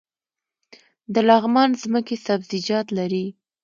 د لغمان ځمکې سبزیجات لري